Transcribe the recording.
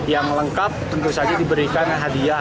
yang lengkap tentu saja diberikan hadiah